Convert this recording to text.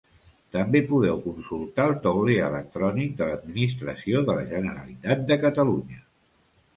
També podeu consultar el tauler electrònic de l'Administració de la Generalitat de Catalunya.